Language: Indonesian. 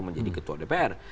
menjadi ketua dpr